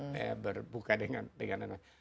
saya berbuka dengan nanas